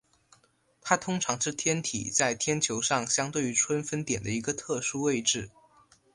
它通常是天体在天球上相对于春分点的一个特殊位置。